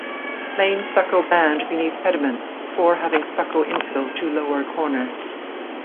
Plain stucco band beneath pediments (four having stucco infill to lower corners).